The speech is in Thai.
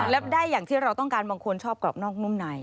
แล้วได้อย่างที่เราต้องการบางคนชอบกรอบนอกนุ่มใน